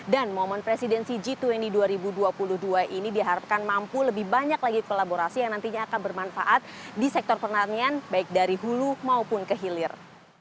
dan momen presidensi g dua puluh dua ribu dua puluh dua ini diharapkan mampu lebih banyak lagi kolaborasi yang nantinya akan bermanfaat di sektor pertanian baik dari hulu maupun kehilir